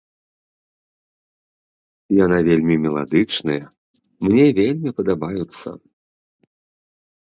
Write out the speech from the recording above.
Яна вельмі меладычныя, мне вельмі падабаюцца.